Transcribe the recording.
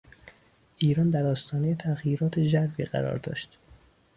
ایران در آستانهی تغییرات ژرفی قرار داشت.